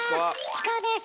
チコです